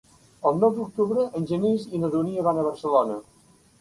El nou d'octubre en Genís i na Dúnia van a Barcelona.